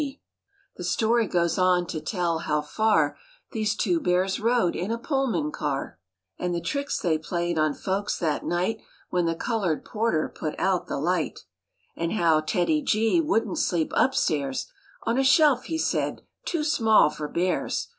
12 MORE ABOUT THE ROOSEVELT BEARS The story goes on to tell how far These two bears rode in a Pullman car, And the tricks they played on folks that night When the colored porter put out the light; And how TEDDY G wouldn't sleep upstairs " On a shelf," he said, " too small for bears."